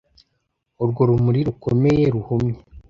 Urwo rumuri rukomeye ruhumye.